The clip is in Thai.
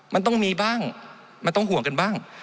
มันต้องมีบ้างมันต้องห่วงกันบ้าง